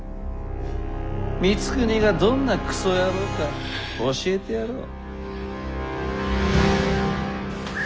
光圀がどんなクソ野郎か教えてやろう。